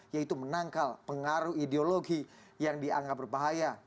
yaitu menangkal pengaruh ideologi yang dianggap berbahaya